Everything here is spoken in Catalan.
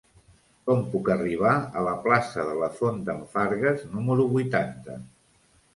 Com puc arribar a la plaça de la Font d'en Fargues número vuitanta?